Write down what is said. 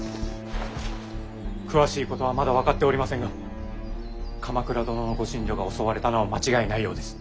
詳しいことはまだ分かっておりませんが鎌倉殿のご寝所が襲われたのは間違いないようです。